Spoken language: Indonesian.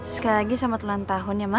sekali lagi selamat ulang tahun ya mas